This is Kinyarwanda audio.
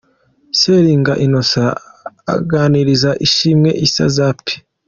Seninga Innocent aganiriza Ishimwe Issa Zappy.